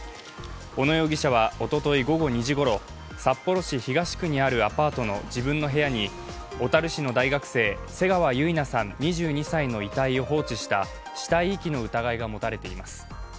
小野容疑者はおととい午後２時ごろ札幌市東区にあるアパートの自分の部屋に小樽市の大学生、瀬川結菜さん２２歳の遺体を放置した死体遺棄の疑いが持たれています。